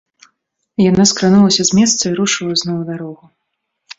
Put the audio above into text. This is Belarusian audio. Яна скранулася з месца і рушыла зноў у дарогу.